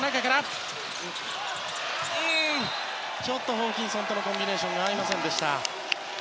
ホーキンソンとのコンビネーションが合いませんでした。